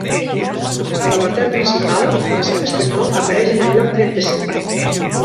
En l’apartat principal, l’estat espanyol apareix en el lloc trenta-cinc.